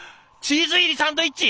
チーズ入りサンドイッチ！